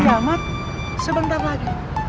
diamat sebentar lagi